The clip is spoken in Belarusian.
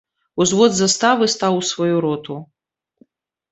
Узвод з заставы стаў у сваю роту.